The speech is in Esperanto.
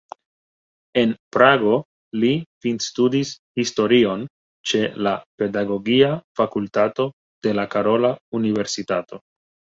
En Prago li finstudis historion ĉe la pedagogia fakultato de la Karola Universitato.